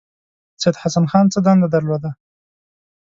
سید حسن خان څه دنده درلوده.